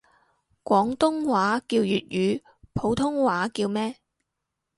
廣東話叫粵語，普通話叫咩？